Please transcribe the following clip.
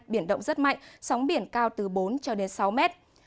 biển động rất mạnh sóng biển cao từ bốn cho đến sáu mét